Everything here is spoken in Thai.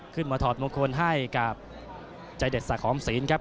ถอดมงคลให้กับใจเด็ดสะหอมศีลครับ